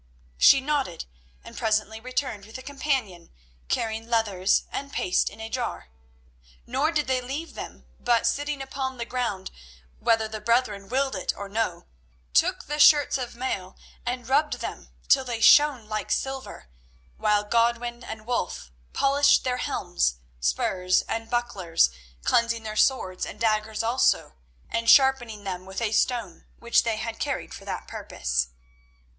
She nodded, and presently returned with a companion carrying leathers and paste in a jar. Nor did they leave them, but, sitting upon the ground, whether the brethren willed it or no, took the shirts of mail and rubbed them till they shone like silver, while Godwin and Wulf polished their helms, spurs, and bucklers, cleansing their swords and daggers also, and sharpening them with a stone which they carried for that purpose.